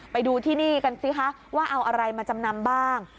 ไปดูที่นี่กันสิคะว่าเอาอะไรมาจำนำบ้าง